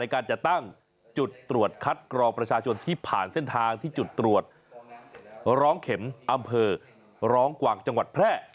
การจะตั้งจุดตรวจคัดกรองประชาชนที่ผ่านเส้นทางที่จุดตรวจร้องเข็มอำเภอร้องกวางจังหวัดแพร่